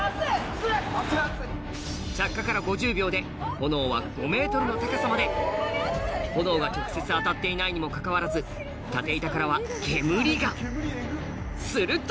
着火から５０秒で炎は５ｍの高さまで炎が直接当たっていないにもかかわらずすると！